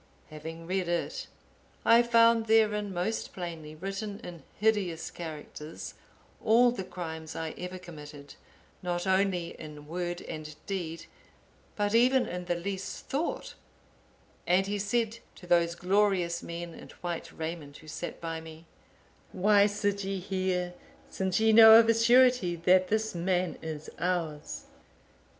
Having read it, I found therein most plainly written in hideous characters, all the crimes I ever committed, not only in word and deed, but even in the least thought; and he said to those glorious men in white raiment who sat by me, 'Why sit ye here, since ye know of a surety that this man is ours?